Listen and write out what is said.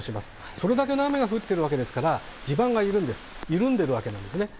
それだけの雨が降っているわけですから地盤が緩んでいるわけなんですね。